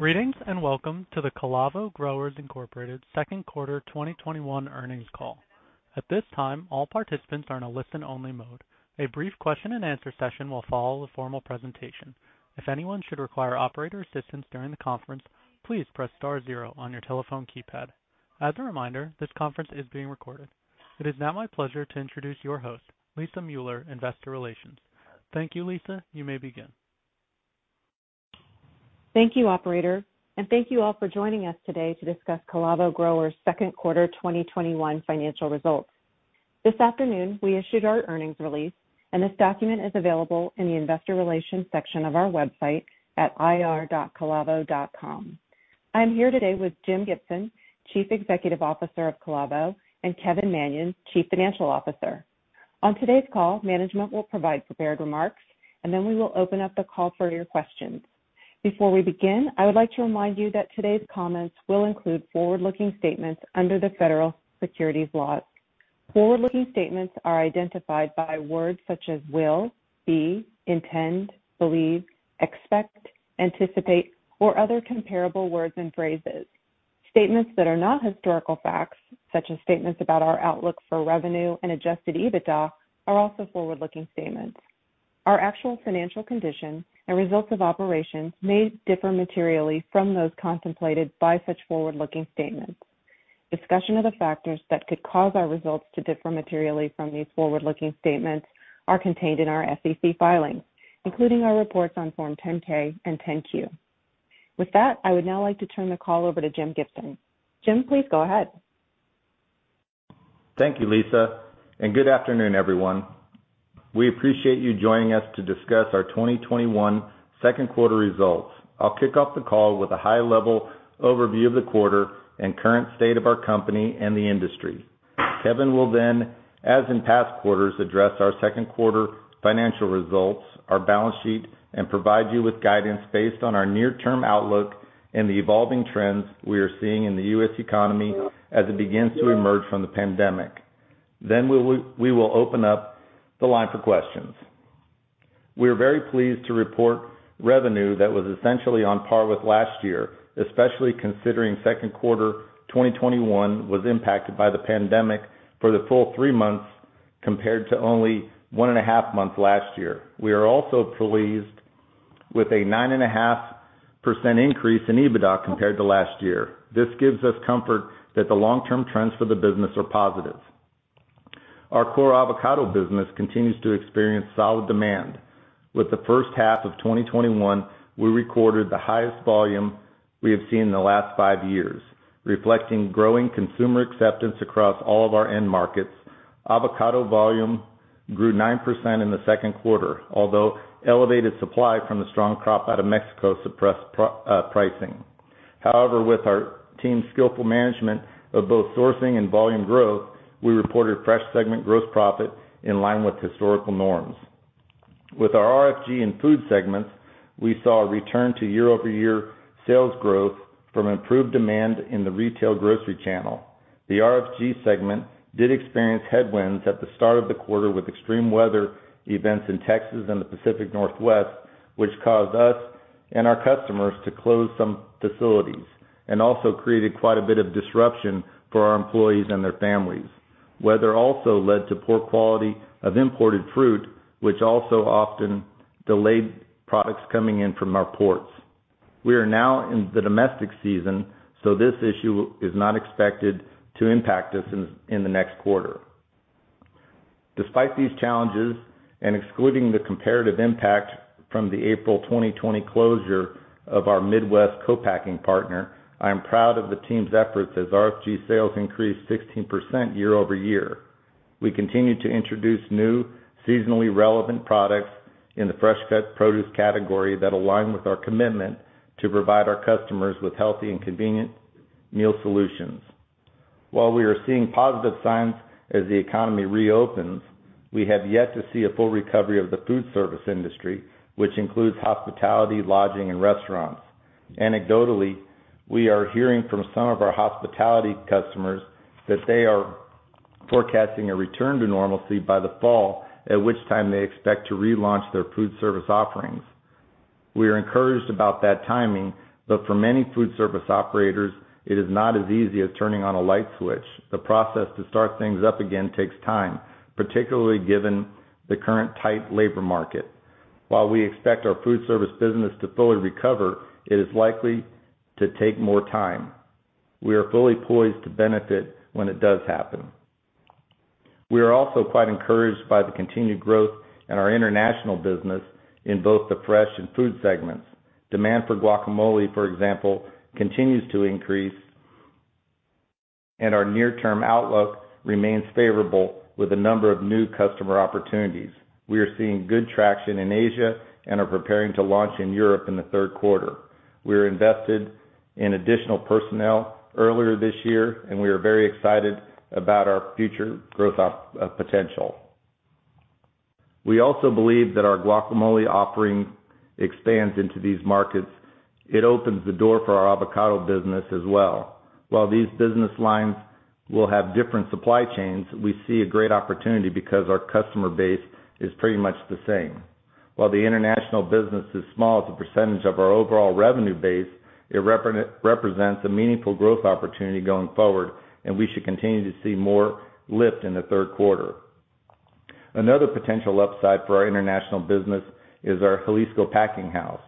Greetings, and welcome to the Calavo Growers, Inc. second quarter 2021 earnings call. At this time, all participants are in a listen-only mode. A brief question and answer session will follow the formal presentation. If anyone should require operator assistance during the conference, please press star zero on your telephone keypad. As a reminder, this conference is being recorded. It is now my pleasure to introduce your host, Lisa Mueller, investor relations. Thank you, Lisa. You may begin. Thank you, operator, and thank you all for joining us today to discuss Calavo Growers' second quarter 2021 financial results. This afternoon, we issued our earnings release, and this document is available in the investor relations section of our website at ir.calavo.com. I'm here today with Jim Gibson, Chief Executive Officer of Calavo, and Kevin Manion, Chief Financial Officer. On today's call, management will provide prepared remarks, then we will open up the call for your questions. Before we begin, I would like to remind you that today's comments will include forward-looking statements under the federal securities laws. Forward-looking statements are identified by words such as will, be, intend, believe, expect, anticipate, or other comparable words and phrases. Statements that are not historical facts, such as statements about our outlook for revenue and adjusted EBITDA, are also forward-looking statements. Our actual financial conditions and results of operations may differ materially from those contemplated by such forward-looking statements. Discussion of the factors that could cause our results to differ materially from these forward-looking statements are contained in our SEC filings, including our reports on Form 10-K and 10-Q. With that, I would now like to turn the call over to Jim Gibson. Jim, please go ahead. Thank you, Lisa, and good afternoon, everyone. We appreciate you joining us to discuss our 2021 second quarter results. I'll kick off the call with a high-level overview of the quarter and current state of our company and the industry. Kevin will then, as in past quarters, address our second quarter financial results, our balance sheet, and provide you with guidance based on our near-term outlook and the evolving trends we are seeing in the U.S. economy as it begins to emerge from the pandemic. We will open up the line for questions. We are very pleased to report revenue that was essentially on par with last year, especially considering second quarter 2021 was impacted by the pandemic for the full three months, compared to only one and a half months last year. We are also pleased with a 9.5% increase in EBITDA compared to last year. This gives us comfort that the long-term trends for the business are positive. Our core avocado business continues to experience solid demand. With the first half of 2021, we recorded the highest volume we have seen in the last five years, reflecting growing consumer acceptance across all of our end markets. Avocado volume grew 9% in the second quarter, although elevated supply from the strong crop out of Mexico suppressed pricing. With our team's skillful management of both sourcing and volume growth, we reported fresh segment gross profit in line with historical norms. With our RFG and food segments, we saw a return to year-over-year sales growth from improved demand in the retail grocery channel. The RFG segment did experience headwinds at the start of the quarter with extreme weather events in Texas and the Pacific Northwest, which caused us and our customers to close some facilities and also created quite a bit of disruption for our employees and their families. Weather also led to poor quality of imported fruit, which also often delayed products coming in from our ports. We are now in the domestic season, so this issue is not expected to impact us in the next quarter. Despite these challenges, and excluding the comparative impact from the April 2020 closure of our Midwest co-packing partner, I am proud of the team's efforts as RFG sales increased 16% year-over-year. We continue to introduce new seasonally relevant products in the fresh-cut produce category that align with our commitment to provide our customers with healthy and convenient meal solutions. While we are seeing positive signs as the economy reopens, we have yet to see a full recovery of the food service industry, which includes hospitality, lodging, and restaurants. Anecdotally, we are hearing from some of our hospitality customers that they are forecasting a return to normalcy by the fall, at which time they expect to relaunch their food service offerings. We are encouraged about that timing, but for many food service operators, it is not as easy as turning on a light switch. The process to start things up again takes time, particularly given the current tight labor market. While we expect our food service business to fully recover, it is likely to take more time. We are fully poised to benefit when it does happen. We are also quite encouraged by the continued growth in our international business in both the fresh and food segments. Demand for guacamole, for example, continues to increase. Our near-term outlook remains favorable with a number of new customer opportunities. We are seeing good traction in Asia and are preparing to launch in Europe in the third quarter. We invested in additional personnel earlier this year. We are very excited about our future growth potential. We also believe that our guacamole offering expands into these markets. It opens the door for our avocado business as well. These business lines will have different supply chains. We see a great opportunity because our customer base is pretty much the same. The international business is small as a percentage of our overall revenue base, it represents a meaningful growth opportunity going forward. We should continue to see more lift in the third quarter. Another potential upside for our international business is our Jalisco packing house.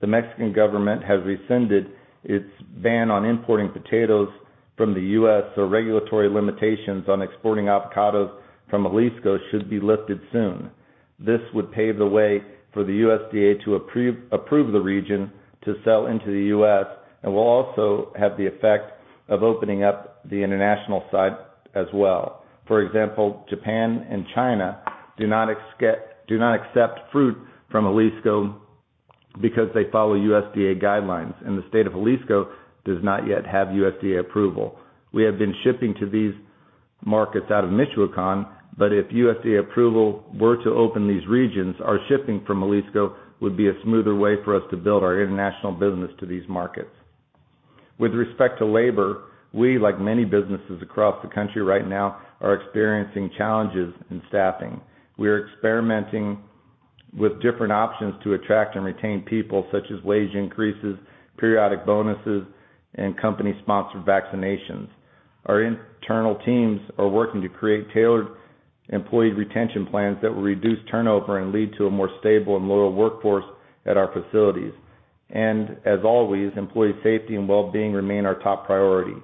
The Mexican government has rescinded its ban on importing potatoes from the U.S., so regulatory limitations on exporting avocados from Jalisco should be lifted soon. This would pave the way for the USDA to approve the region to sell into the U.S. and will also have the effect of opening up the international side as well. For example, Japan and China do not accept fruits from Jalisco because they follow USDA guidelines, and the state of Jalisco does not yet have USDA approval. We have been shipping to these markets out of Michoacán, but if USDA approval were to open these regions, our shipping from Jalisco would be a smoother way for us to build our international business to these markets. With respect to labor, we, like many businesses across the country right now, are experiencing challenges in staffing. We are experimenting with different options to attract and retain people, such as wage increases, periodic bonuses, and company-sponsored vaccinations. Our internal teams are working to create tailored employee retention plans that will reduce turnover and lead to a more stable and loyal workforce at our facilities. As always, employee safety and well-being remain our top priority.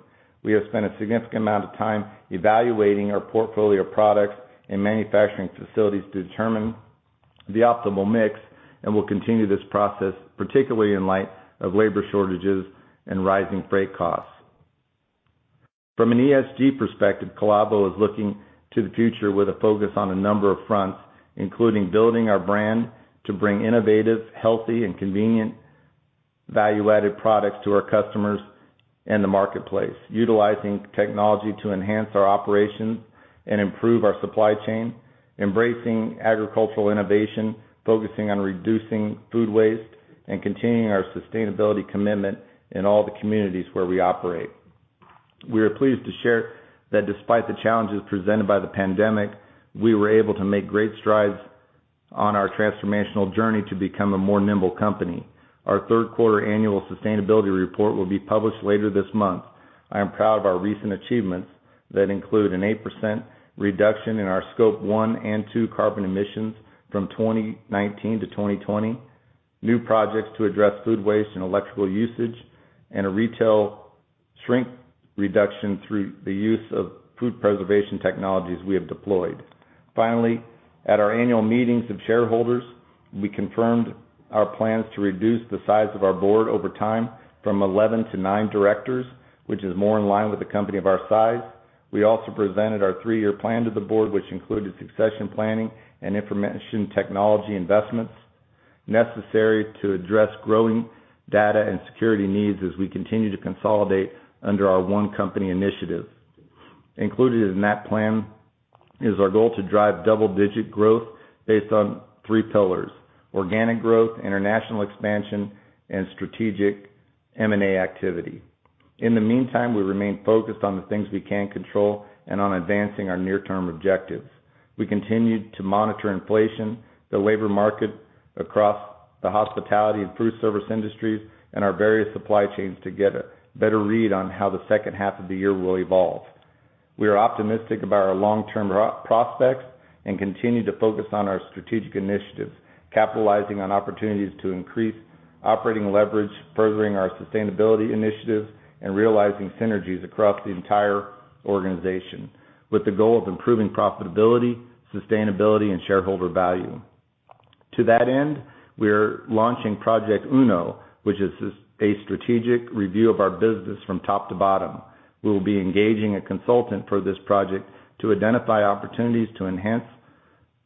We have spent a significant amount of time evaluating our portfolio of products and manufacturing facilities to determine the optimal mix, and we'll continue this process, particularly in light of labor shortages and rising freight costs. From an ESG perspective, Calavo is looking to the future with a focus on a number of fronts, including building our brand to bring innovative, healthy, and convenient value-added products to our customers in the marketplace, utilizing technology to enhance our operations and improve our supply chain, embracing agricultural innovation, focusing on reducing food waste, and continuing our sustainability commitment in all the communities where we operate. We are pleased to share that despite the challenges presented by the pandemic, we were able to make great strides on our transformational journey to become a more nimble company. Our third quarter annual sustainability report will be published later this month. I am proud of our recent achievements that include an 8% reduction in our Scope 1 and 2 carbon emissions from 2019 to 2020, new projects to address food waste and electrical usage, and a retail shrink reduction through the use of food preservation technologies we have deployed. Finally, at our annual meetings of shareholders, we confirmed our plans to reduce the size of our board over time from 11 to 9 directors, which is more in line with the company of our size. We also presented our three-year plan to the board, which included succession planning and information technology investments necessary to address growing data and security needs as we continue to consolidate under our One Company initiative. Included in that plan is our goal to drive double-digit growth based on three pillars: organic growth, international expansion, and strategic M&A activity. In the meantime, we remain focused on the things we can control and on advancing our near-term objectives. We continue to monitor inflation, the labor market across the hospitality and food service industries, and our various supply chains to get a better read on how the second half of the year will evolve. We are optimistic about our long-term prospects and continue to focus on our strategic initiatives, capitalizing on opportunities to increase operating leverage, furthering our sustainability initiatives, and realizing synergies across the entire organization with the goal of improving profitability, sustainability, and shareholder value. To that end, we are launching Project Uno, which is a strategic review of our business from top to bottom. We'll be engaging a consultant for this project to identify opportunities to enhance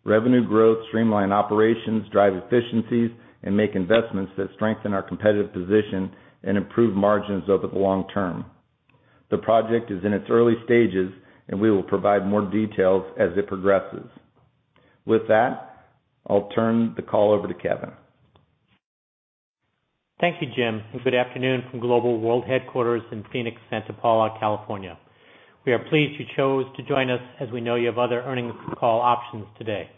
revenue growth, streamline operations, drive efficiencies, and make investments that strengthen our competitive position and improve margins over the long term. The project is in its early stages, and we will provide more details as it progresses. With that, I'll turn the call over to Kevin. Thank you, Jim, and good afternoon from global world headquarters in Phoenix and Santa Paula, California. We are pleased you chose to join us, as we know you have other earnings call options today.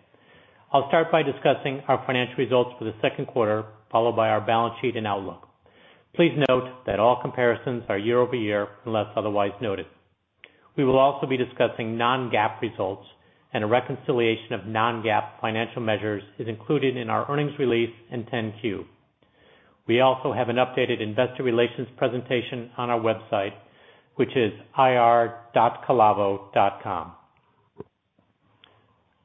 I'll start by discussing our financial results for the second quarter, followed by our balance sheet and outlook. Please note that all comparisons are year-over-year, unless otherwise noted. We will also be discussing non-GAAP results, and a reconciliation of non-GAAP financial measures is included in our earnings release and 10-Q. We also have an updated investor relations presentation on our website, which is ir.calavo.com.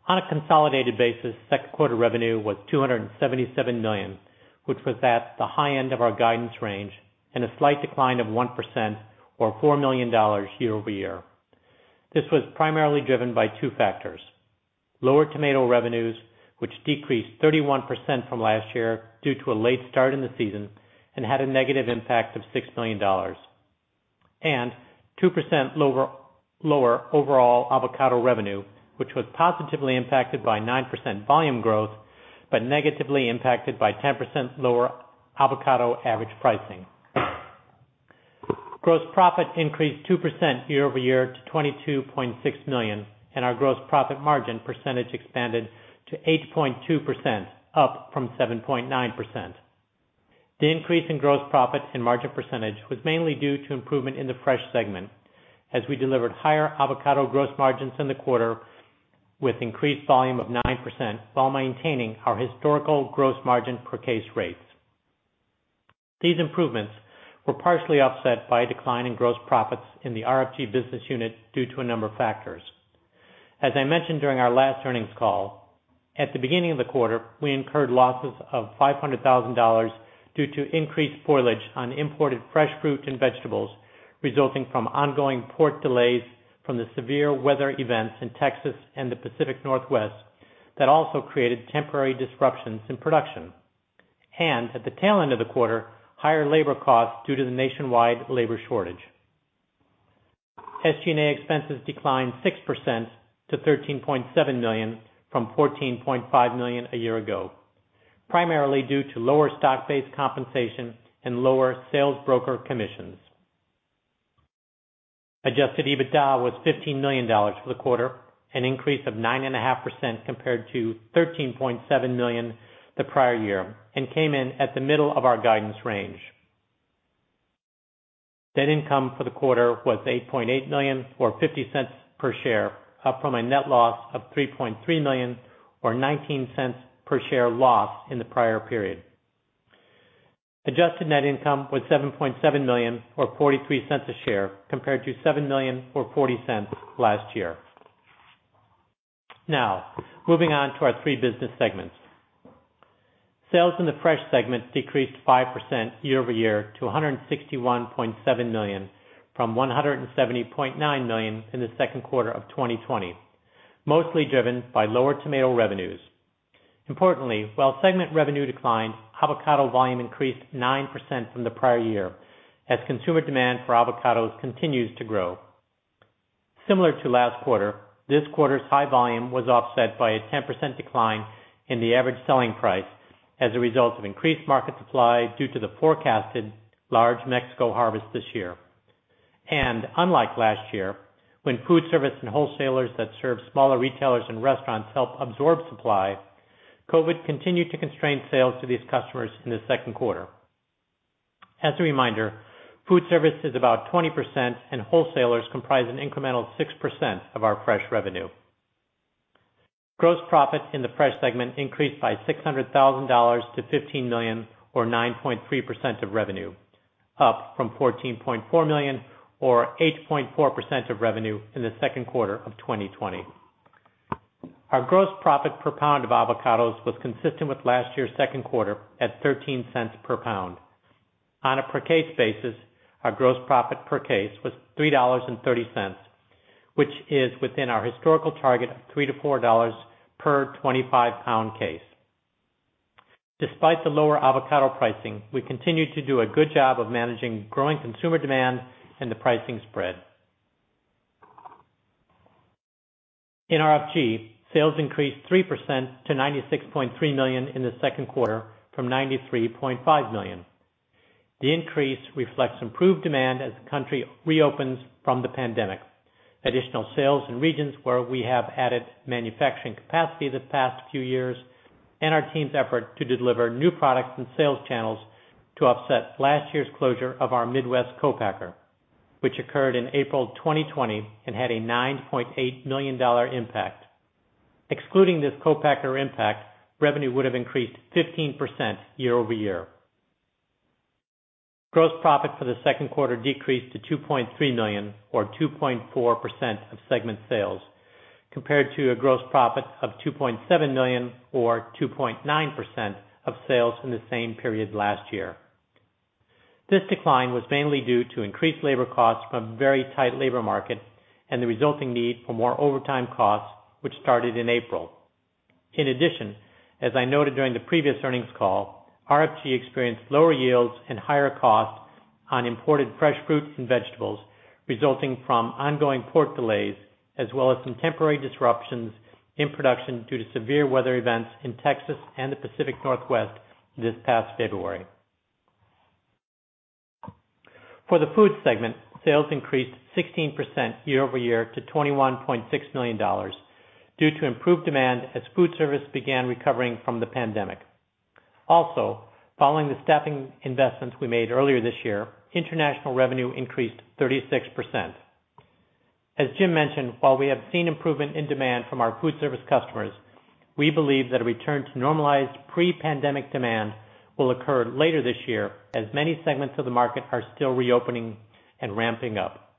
On a consolidated basis, second quarter revenue was $277 million, which was at the high end of our guidance range and a slight decline of 1%, or $4 million year-over-year. This was primarily driven by two factors. Lower tomato revenues, which decreased 31% from last year due to a late start in the season and had a negative impact of $6 million. 2% lower overall avocado revenue, which was positively impacted by 9% volume growth, but negatively impacted by 10% lower avocado average pricing. Gross profit increased 2% year-over-year to $22.6 million, and our gross profit margin percentage expanded to 8.2%, up from 7.9%. The increase in gross profits and margin percentage was mainly due to improvement in the fresh segment, as we delivered higher avocado gross margins in the quarter with increased volume of 9%, while maintaining our historical gross margin per case rates. These improvements were partially offset by a decline in gross profits in the RFG business unit due to a number of factors. As I mentioned during our last earnings call, at the beginning of the quarter, we incurred losses of $500,000 due to increased spoilage on imported fresh fruits and vegetables, resulting from ongoing port delays from the severe weather events in Texas and the Pacific Northwest that also created temporary disruptions in production. At the tail end of the quarter, higher labor costs due to the nationwide labor shortage. SG&A expenses declined 6% to $13.7 million from $14.5 million a year ago, primarily due to lower stock-based compensation and lower sales broker commissions. Adjusted EBITDA was $15 million for the quarter, an increase of 9.5% compared to $13.7 million the prior year, and came in at the middle of our guidance range. Net income for the quarter was $8.8 million, or $0.50 per share, up from a net loss of $3.3 million or $0.19 per share loss in the prior period. Adjusted net income was $7.7 million or $0.43 a share, compared to $7 million or $0.40 last year. Now, moving on to our three business segments. Sales in the fresh segment decreased 5% year-over-year to $161.7 million from $170.9 million in the second quarter of 2020, mostly driven by lower tomato revenues. Importantly, while segment revenue declined, avocado volume increased 9% from the prior year as consumer demand for avocados continues to grow. Similar to last quarter, this quarter's high volume was offset by a 10% decline in the average selling price as a result of increased market supply due to the forecasted large Mexico harvest this year. Unlike last year, when food service and wholesalers that serve smaller retailers and restaurants helped absorb supply, COVID continued to constrain sales to these customers in the second quarter. As a reminder, food service is about 20% and wholesalers comprise an incremental 6% of our fresh revenue. Gross profit in the fresh segment increased by $600,000 to $15 million or 9.3% of revenue, up from $14.4 million or 8.4% of revenue in the second quarter of 2020. Our gross profit per pound of avocados was consistent with last year's second quarter at $0.13 per pound. On a per case basis, our gross profit per case was $3.30, which is within our historical target of $3-$4 per 25-pound case. Despite the lower avocado pricing, we continued to do a good job of managing growing consumer demand and the pricing spread. In RFG, sales increased 3% to $96.3 million in the second quarter from $93.5 million. The increase reflects improved demand as the country reopens from the pandemic, additional sales in regions where we have added manufacturing capacity this past few years, and our team's effort to deliver new products and sales channels to offset last year's closure of our Midwest co-packer, which occurred in April 2020 and had a $9.8 million impact. Excluding this co-packer impact, revenue would have increased 15% year-over-year. Gross profit for the second quarter decreased to $2.3 million or 2.4% of segment sales, compared to a gross profit of $2.7 million or 2.9% of sales in the same period last year. This decline was mainly due to increased labor costs from very tight labor markets and the resulting need for more overtime costs, which started in April. In addition, as I noted during the previous earnings call, RFG experienced lower yields and higher costs on imported fresh fruits and vegetables, resulting from ongoing port delays, as well as some temporary disruptions in production due to severe weather events in Texas and the Pacific Northwest this past February. For the food segment, sales increased 16% year-over-year to $21.6 million due to improved demand as food service began recovering from the pandemic. Following the staffing investments we made earlier this year, international revenue increased 36%. As Jim mentioned, while we have seen improvement in demand from our food service customers, we believe that a return to normalized pre-pandemic demand will occur later this year as many segments of the market are still reopening and ramping up.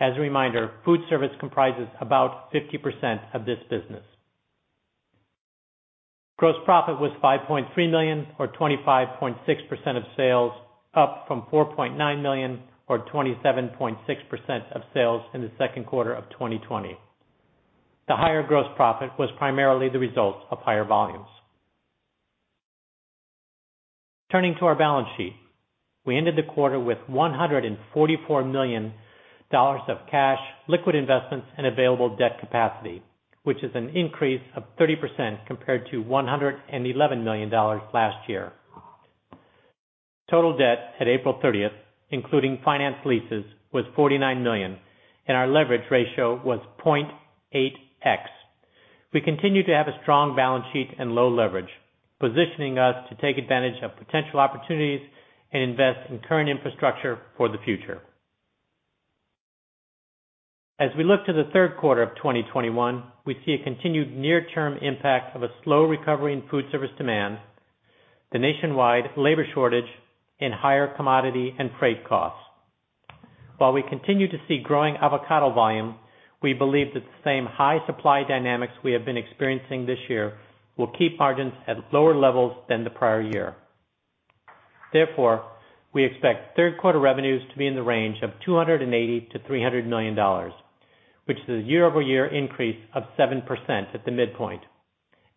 As a reminder, food service comprises about 50% of this business. Gross profit was $5.3 million or 25.6% of sales, up from $4.9 million or 27.6% of sales in the second quarter of 2020. The higher gross profit was primarily the result of higher volumes. Turning to our balance sheet. We ended the quarter with $144 million of cash, liquid investments, and available debt capacity, which is an increase of 30% compared to $111 million last year. Total debt at April 30th, including finance leases, was $49 million, and our leverage ratio was 0.8x. We continue to have a strong balance sheet and low leverage, positioning us to take advantage of potential opportunities and invest in current infrastructure for the future. As we look to the third quarter of 2021, we see a continued near-term impact of a slow recovery in food service demand, the nationwide labor shortage, and higher commodity and freight costs. While we continue to see growing avocado volume, we believe that the same high supply dynamics we have been experiencing this year will keep margins at lower levels than the prior year. Therefore, we expect third quarter revenues to be in the range of $280 million-$300 million, which is a year-over-year increase of 7% at the midpoint,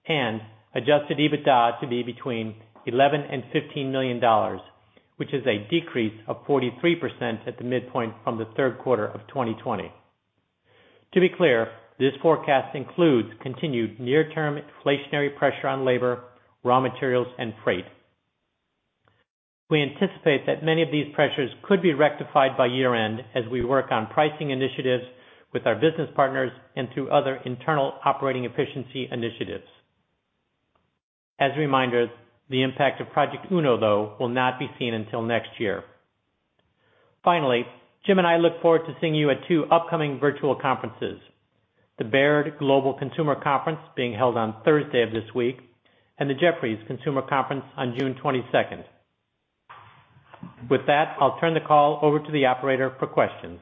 and adjusted EBITDA to be between $11 million and $15 million, which is a decrease of 43% at the midpoint from the third quarter of 2020. To be clear, this forecast includes continued near-term inflationary pressure on labor, raw materials, and freight. We anticipate that many of these pressures could be rectified by year-end as we work on pricing initiatives with our business partners and through other internal operating efficiency initiatives. As a reminder, the impact of Project Uno, though, will not be seen until next year. Finally, Jim and I look forward to seeing you at two upcoming virtual conferences, the Baird Global Consumer Conference being held on Thursday of this week and the Jefferies Consumer Conference on June 22nd. With that, I'll turn the call over to the operator for questions.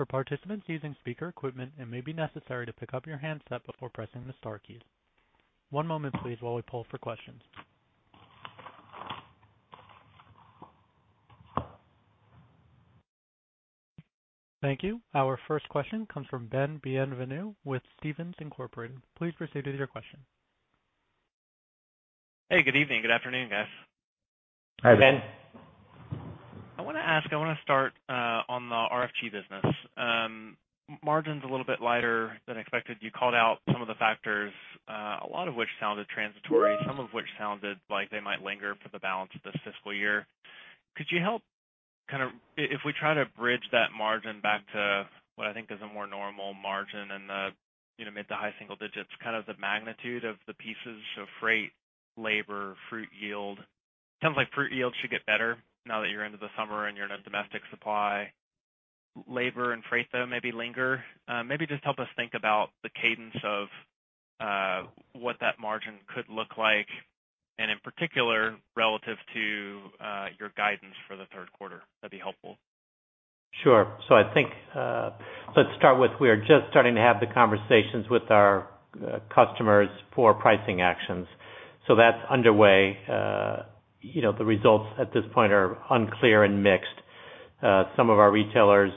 Our first question comes from Ben Bienvenu with Stephens Incorporated. Please proceed with your question. Hey, good evening. Good afternoon, guys. Hi, Ben. I want to ask, I want to start on the RFG business. Margins a little bit lighter than expected. You called out some of the factors, a lot of which sounded transitory, some of which sounded like they might linger for the balance of this fiscal year. Could you help kind of, if we try to bridge that margin back to what I think is a more normal margin in the mid to high single digits, kind of the magnitude of the pieces of freight, labor, fruit yield? Kind of like fruit yield should get better now that you're into the summer and you're in a domestic supply. Labor and freight, though, maybe linger. Maybe just help us think about the cadence of what that margin could look like, and in particular, relative to your guidance for the third quarter? That'd be helpful. Sure. I think let's start with, we are just starting to have the conversations with our customers for pricing actions. That's underway. The results at this point are unclear and mixed. Some of our retailers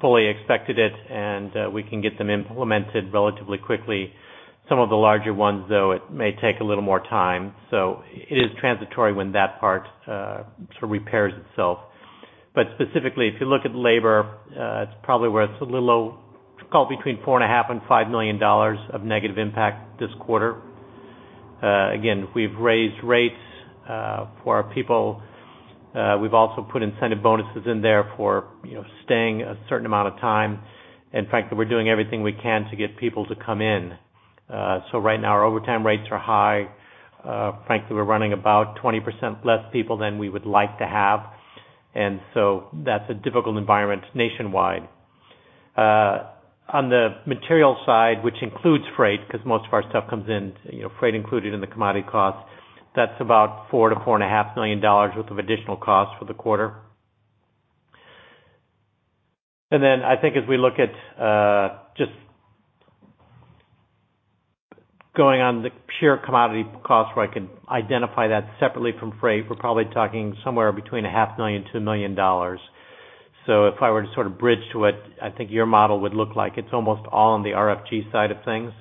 fully expected it, and we can get them implemented relatively quickly. Some of the larger ones, though, it may take a little more time. It is transitory when that part sort of repairs itself. Specifically, if you look at labor, it's probably where it's a little between $4.5 million and $5 million of negative impact this quarter. Again, we've raised rates for our people. We've also put incentive bonuses in there for staying a certain amount of time. In fact, we're doing everything we can to get people to come in. Right now, our overtime rates are high. Frankly, we're running about 20% less people than we would like to have, that's a difficult environment nationwide. On the material side, which includes freight, because most of our stuff comes in freight included in the commodity cost, that's about $4 million-$4.5 million worth of additional cost for the quarter. I think as we look at just going on the pure commodity cost where I can identify that separately from freight, we're probably talking somewhere between $500,000-$1 million. If I were to sort of bridge to what I think your model would look like, it's almost all on the RFG side of things.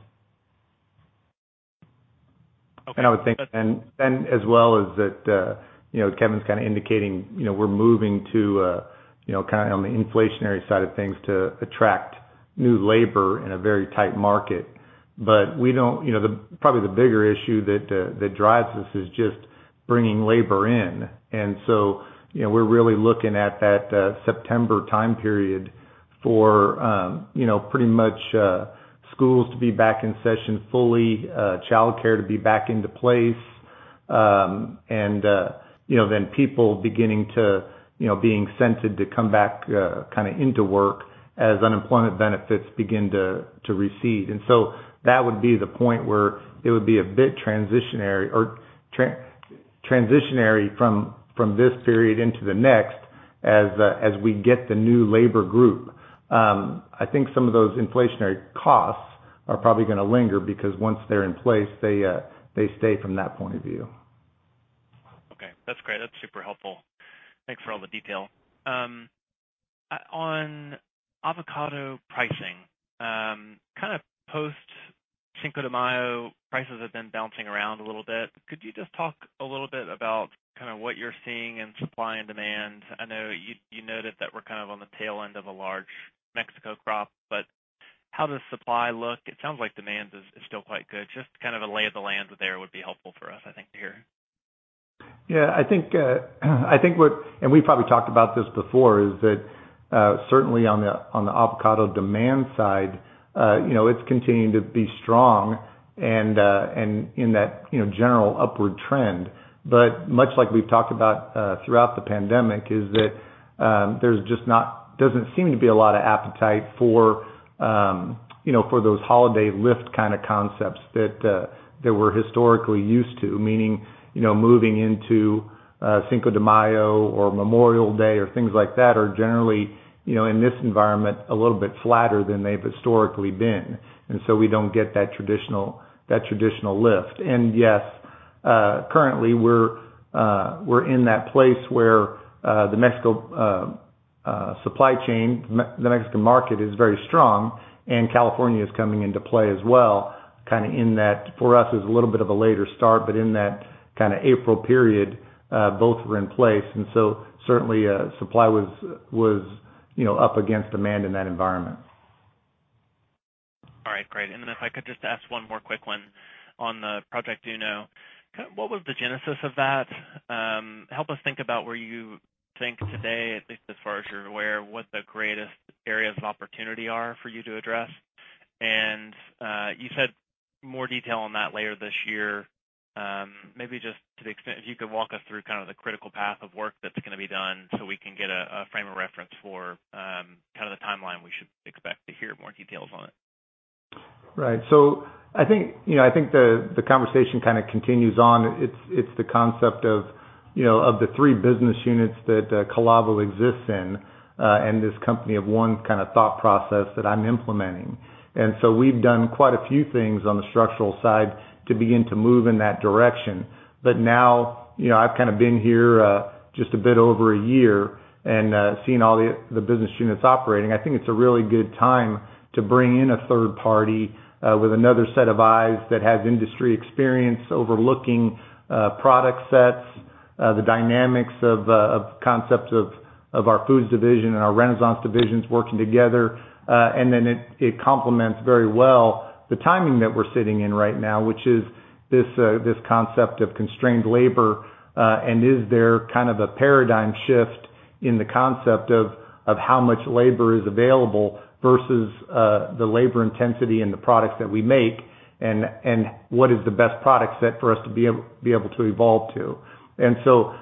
I would think then as well is that Kevin's kind of indicating we're moving to kind of on the inflationary side of things to attract new labor in a very tight market. Probably the bigger issue that drives this is just bringing labor in. We're really looking at that September time period for pretty much schools to be back in session fully, childcare to be back into place, and then people beginning to being incented to come back kind of into work as unemployment benefits begin to recede. That would be the point where it would be a bit transitionary from this period into the next As we get the new labor group, I think some of those inflationary costs are probably going to linger because once they're in place, they stay from that point of view. Okay. That's great. That's super helpful. Thanks for all the detail. On avocado pricing, post Cinco de Mayo, prices have been bouncing around a little bit. Could you just talk a little bit about what you're seeing in supply and demand? I know you noted that we're on the tail end of a large Mexico crop, how does supply look? It sounds like demand is still quite good. Just the lay of the land there would be helpful for us, I think, to hear. Yeah. We've probably talked about this before, is that certainly on the avocado demand side it's continuing to be strong and in that general upward trend. Much like we've talked about throughout the pandemic, is that there doesn't seem to be a lot of appetite for those holiday lift kind of concepts that we're historically used to. Meaning, moving into Cinco de Mayo or Memorial Day or things like that, are generally, in this environment, a little bit flatter than they've historically been. So we don't get that traditional lift. Yes, currently we're in that place where the Mexico supply chain, the Mexico market is very strong and California is coming into play as well, kind of in that, for us, it's a little bit of a later start, but in that kind of April period, both were in place. Certainly supply was up against demand in that environment. All right, great. If I could just ask one more quick one on the Project Uno. What was the genesis of that? Help us think about where you think today, I think as far as you're aware, what the greatest areas of opportunity are for you to address. You said more detail on that later this year. Maybe just to the extent that you could walk us through the critical path of work that's going to be done so we can get a frame of reference for the timeline we should expect to hear more details on it. Right. I think the conversation kind of continues on. It's the concept of the three business units that Calavo exists in, and this company of one kind of thought process that I'm implementing. We've done quite a few things on the structural side to begin to move in that direction. Now, I've kind of been here just a bit over a year and seen all the business units operating. I think it's a really good time to bring in a third party with another set of eyes that has industry experience overlooking product sets, the dynamics of concepts of our Foods division and our Renaissance divisions working together. It complements very well the timing that we're sitting in right now, which is this concept of constrained labor. Is there kind of a paradigm shift in the concept of how much labor is available versus the labor intensity in the products that we make and what is the best product set for us to be able to evolve to?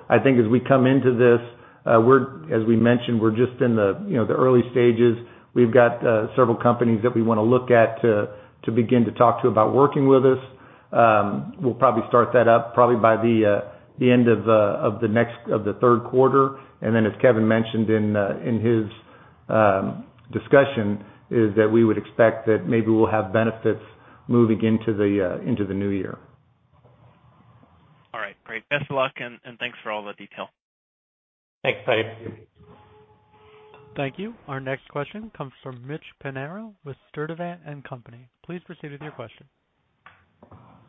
I think as we come into this, as we mentioned, we're just in the early stages. We've got several companies that we want to look at to begin to talk to about working with us. We'll probably start that up probably by the end of the third quarter. As Kevin mentioned in his discussion, is that we would expect that maybe we'll have benefits moving into the new year. All right, great. Best of luck, and thanks for all the detail. Thanks, Ben. Thank you. Our next question comes from Mitch Pinheiro with Sturdivant & Company. Please proceed with your question.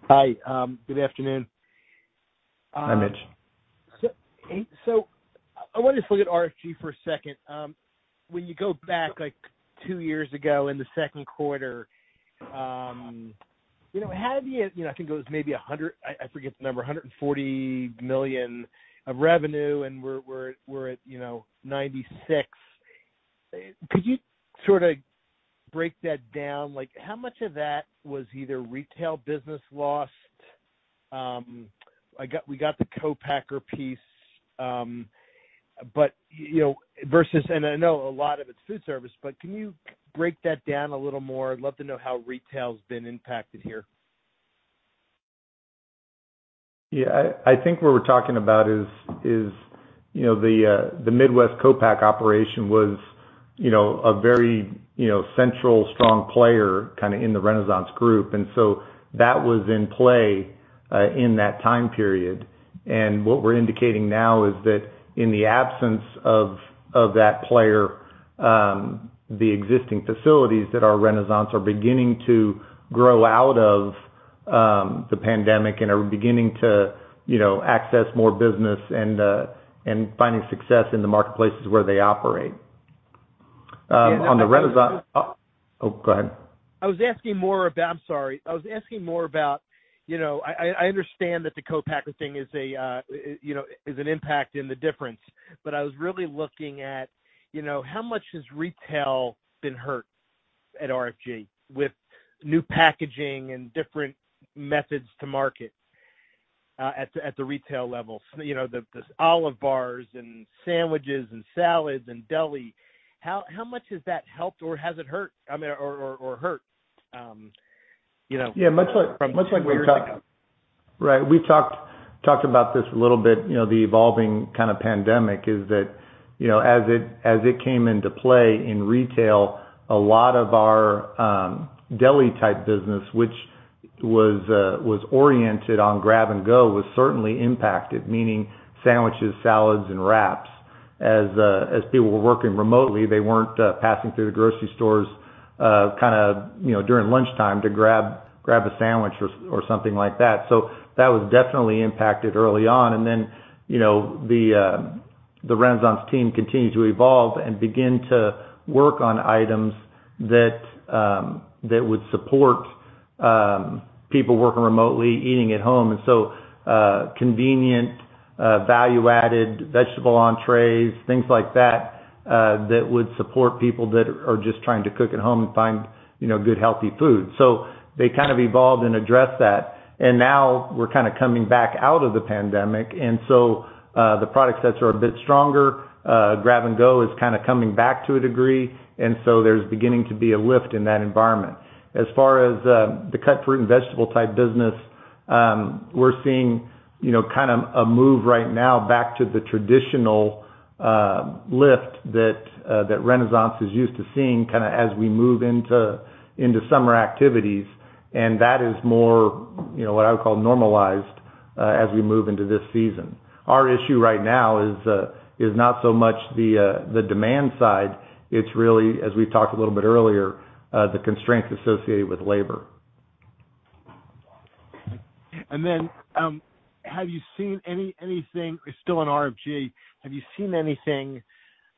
Hi. Good afternoon. Hi, Mitch. I want to just look at RFG for a second. When you go back two years ago in the second quarter, I think it was maybe $100, I forget the number, $140 million of revenue and we're at $96 million. Could you sort of break that down? How much of that was either retail business lost? We got the co-packer piece, and I know a lot of it's food service, but can you break that down a little more? I'd love to know how retail's been impacted here. I think what we're talking about is the Midwest co-pack operation was a very central strong player kind of in the Renaissance Group. That was in play in that time period. What we're indicating now is that in the absence of that player, the existing facilities at our Renaissance are beginning to grow out of the pandemic and are beginning to access more business and finding success in the marketplaces where they operate. Go ahead. I'm sorry, I was asking more about, I understand that the co-packing thing is an impact in the difference, I was really looking at how much has retail been hurt at RFG with new packaging and different methods to market at the retail level? The olive bars and sandwiches and salads and deli, how much has that helped or has it hurt? Yeah, much like we're talking about. Right. We talked about this a little bit, the evolving kind of pandemic is that, as it came into play in retail, a lot of our deli type business, which was oriented on grab and go, was certainly impacted, meaning sandwiches, salads, and wraps. As people were working remotely, they weren't passing through the grocery stores during lunchtime to grab a sandwich or something like that. That was definitely impacted early on. The Renaissance team continued to evolve and begin to work on items that would support people working remotely, eating at home. Convenient, value-added vegetable entrees, things like that would support people that are just trying to cook at home and find good healthy food. They evolved and addressed that. Now we're coming back out of the pandemic. The product sets are a bit stronger. Grab and go is coming back to a degree. There's beginning to be a lift in that environment. As far as the cut fruit and vegetable type business, we're seeing a move right now back to the traditional lift that Renaissance is used to seeing as we move into summer activities. That is more what I would call normalized as we move into this season. Our issue right now is not so much the demand side. It's really, as we talked a little bit earlier, the constraints associated with labor. Have you seen anything, still on RFG, have you seen anything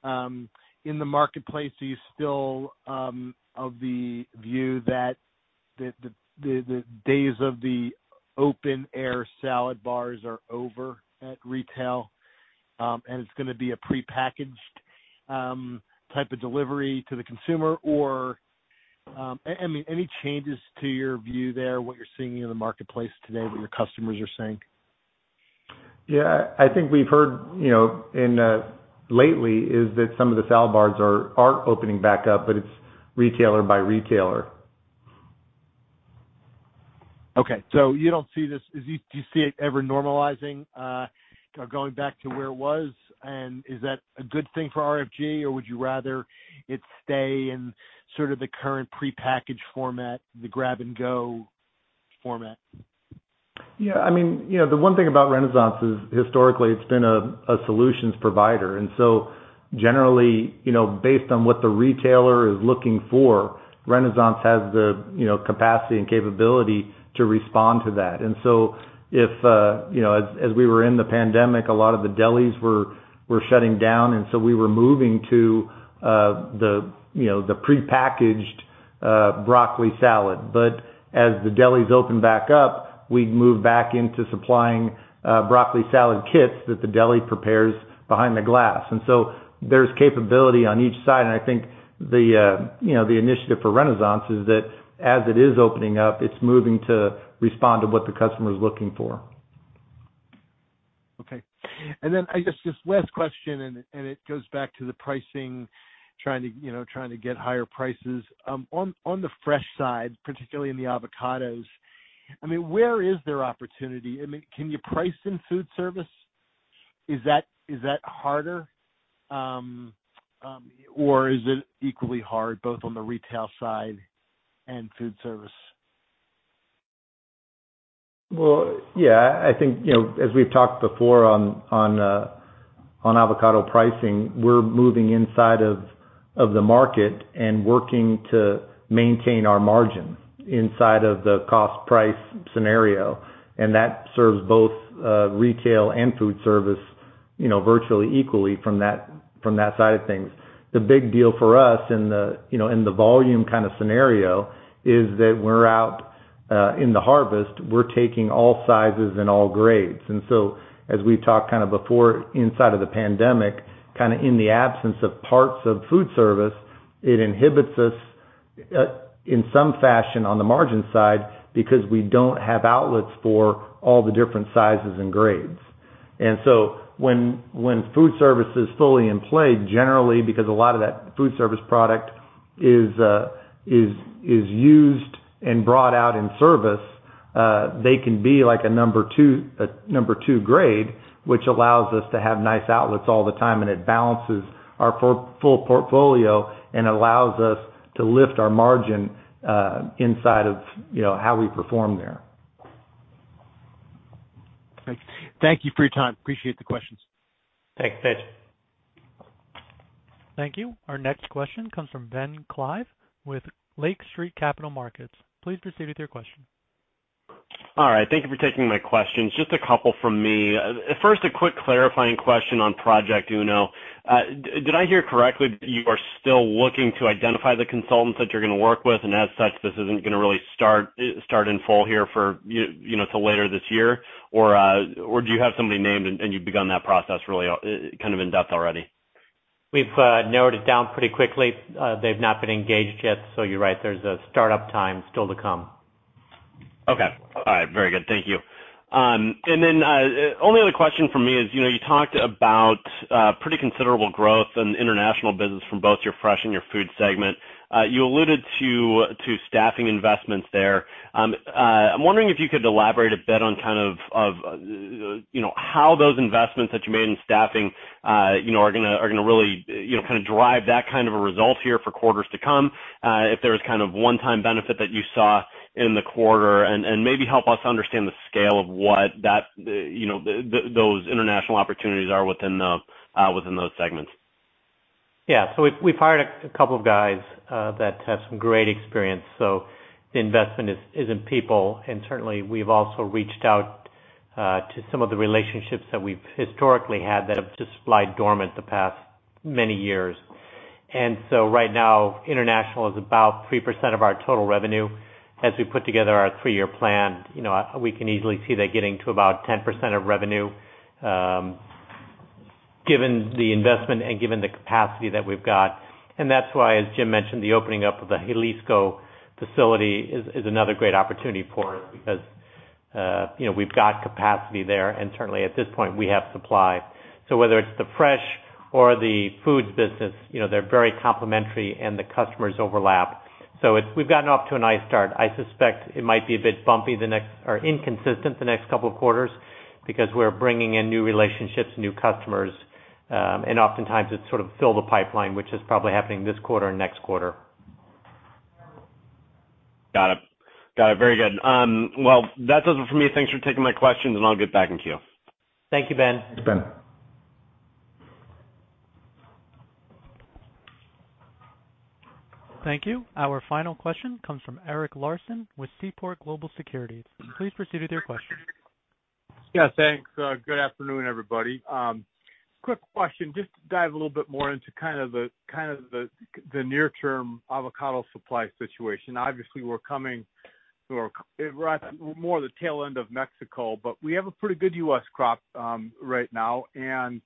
in the marketplace? Are you still of the view that the days of the open air salad bars are over at retail, and it's going to be a prepackaged type of delivery to the consumer? Any changes to your view there, what you're seeing in the marketplace today that your customers are saying? Yeah, I think we've heard lately is that some of the salad bars are opening back up, but it's retailer by retailer. Okay, you don't see this. Do you see it ever normalizing, going back to where it was? Is that a good thing for RFG, or would you rather it stay in sort of the current prepackaged format, the grab and go format? Yeah. The one thing about Renaissance is historically it's been a solutions provider. Generally, based on what the retailer is looking for, Renaissance has the capacity and capability to respond to that. As we were in the pandemic, a lot of the delis were shutting down, and so we were moving to the prepackaged broccoli salad. As the delis open back up, we move back into supplying broccoli salad kits that the deli prepares behind the glass. There's capability on each side, and I think the initiative for Renaissance is that as it is opening up, it's moving to respond to what the customer's looking for. Okay. I guess just last question, it goes back to the pricing, trying to get higher prices. On the fresh side, particularly in the avocados, where is their opportunity? Can you price in food service? Is that harder? Is it equally hard both on the retail side and food service? Well, yeah, I think, as we've talked before on avocado pricing, we're moving inside of the market and working to maintain our margin inside of the cost price scenario, and that serves both retail and food service virtually equally from that side of things. The big deal for us in the volume kind of scenario is that we're out in the harvest, we're taking all sizes and all grades. As we talked before, inside of the pandemic, in the absence of parts of food service, it inhibits us in some fashion on the margin side because we don't have outlets for all the different sizes and grades. When food service is fully in play, generally because a lot of that food service product is used and brought out in service, they can be like a number two grade, which allows us to have nice outlets all the time, and it balances our full portfolio and allows us to lift our margin inside of how we perform there. Thanks. Thank you for your time. Appreciate the questions. Thanks, Mitch. Thank you. Our next question comes from Ben Klieve with Lake Street Capital Markets. Please proceed with your question. All right. Thank you for taking my questions. Just a couple from me. First, a quick clarifying question on Project Uno. Did I hear correctly that you are still looking to identify the consultants that you're going to work with and as such, this isn't going to really start in full here until later this year? Do you have somebody named and you've begun that process really in depth already? We've narrowed it down pretty quickly. They've not been engaged yet, so you're right, there's a startup time still to come. Okay. All right, very good. Thank you. Only other question from me is, you talked about pretty considerable growth in the international business from both your fresh and your food segment. You alluded to staffing investments there. I'm wondering if you could elaborate a bit on how those investments that you made in staffing are going to really drive that kind of a result here for quarters to come, if there was one-time benefit that you saw in the quarter, and maybe help us understand the scale of what those international opportunities are within those segments? We've hired a couple of guys that have some great experience, so the investment is in people, and certainly we've also reached out to some of the relationships that we've historically had that have just lied dormant the past many years. Right now, international is about 3% of our total revenue. As we put together our three-year plan, we can easily see that getting to about 10% of revenue, given the investment and given the capacity that we've got. That's why, as Jim mentioned, the opening up of the Jalisco facility is another great opportunity for us because we've got capacity there, and certainly at this point, we have supply. Whether it's the fresh or the foods business, they're very complementary and the customers overlap. We've gotten off to a nice start. I suspect it might be a bit bumpy or inconsistent the next couple of quarters because we're bringing in new relationships, new customers, and oftentimes it's sort of fill the pipeline, which is probably happening this quarter and next quarter. Got it. Very good. Well, that's it for me. Thanks for taking my questions, and I'll get back with you. Thank you, Ben. Thanks, Ben. Thank you. Our final question comes from Eric Larson with Seaport Global Securities. Please proceed with your question. Yeah, thanks. Good afternoon, everybody. Quick question, just to dive a little bit more into the near-term avocado supply situation. Obviously, we're at more the tail end of Mexico, but we have a pretty good U.S. crop right now, and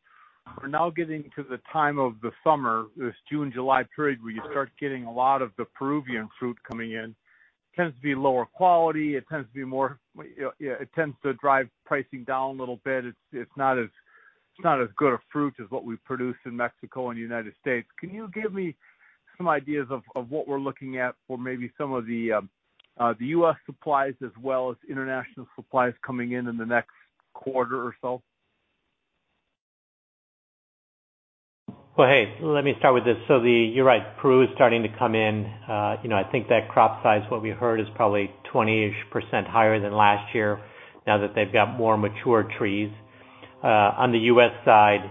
we're now getting to the time of the summer, this June, July period, where you start getting a lot of the Peruvian fruit coming in. Tends to be lower quality. It tends to drive pricing down a little bit. It's not as good a fruit as what we produce in Mexico and United States Can you give me some ideas of what we're looking at for maybe some of the U.S. supplies as well as international supplies coming in in the next quarter or so? Hey, let me start with this. You're right, Peru is starting to come in. I think that crop size, what we've heard, is probably 20-ish% higher than last year now that they've got more mature trees. On the U.S. side,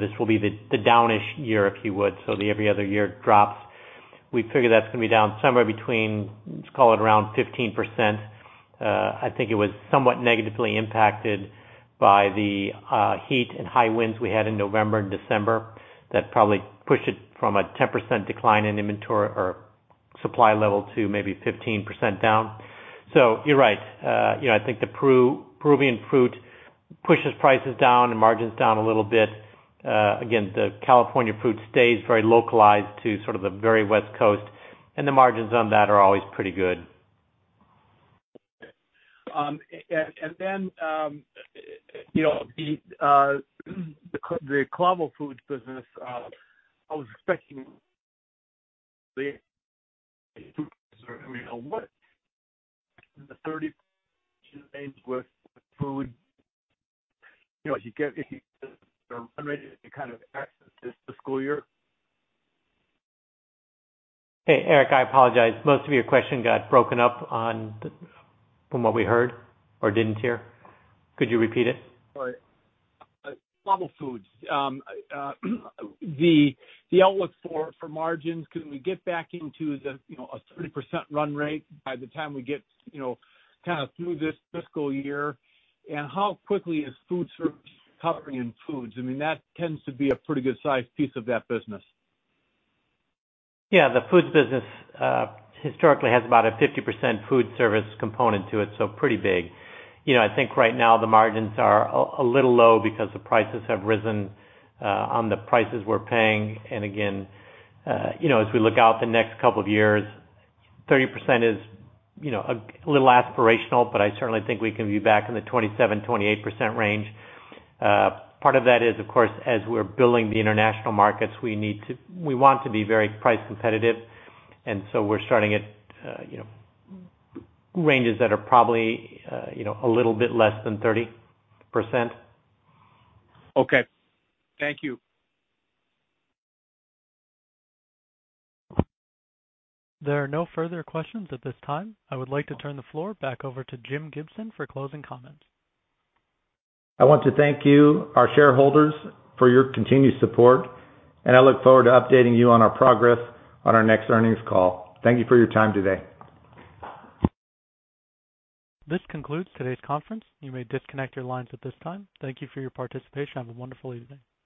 this will be the down-ish year, if you would. The every other year drops. We figure that's going to be down somewhere between, let's call it around 15%. I think it was somewhat negatively impacted by the heat and high winds we had in November and December. That probably pushed it from a 10% decline in inventory or supply level to maybe 15% down. You're right. I think the Peruvian fruit pushes prices down and margins down a little bit. Again, the California fruit stays very localized to the very West Coast, and the margins on that are always pretty good. Then the Calavo Foods business, I was expecting [inaudible] fiscal year. Hey, Eric, I apologize. Most of your question got broken up from what we heard or didn't hear. Could you repeat it? Right. Calavo Foods. The outlook for margins, can we get back into a 30% run rate by the time we get through this fiscal year? How quickly is foodservice recovering in foods? That tends to be a pretty good size piece of that business. Yeah, the foods business historically has about a 50% foodservice component to it, so pretty big. I think right now the margins are a little low because the prices have risen on the prices we're paying. Again, as we look out the next couple of years, 30% is a little aspirational, but I certainly think we can be back in the 27%, 28% range. Part of that is, of course, as we're building the international markets, we want to be very price competitive, and so we're starting at ranges that are probably a little bit less than 30%. Okay. Thank you. There are no further questions at this time. I would like to turn the floor back over to Jim Gibson for closing comments. I want to thank you, our shareholders, for your continued support, and I look forward to updating you on our progress on our next earnings call. Thank you for your time today. This concludes today's conference. You may disconnect your lines at this time. Thank you for your participation on a wonderful evening.